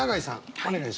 お願いします。